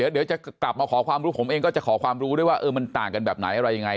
เดี๋ยวจะกลับมาขอความรู้ผมเองก็จะขอความรู้ด้วยว่ามันต่างกันแบบไหนอะไรยังไง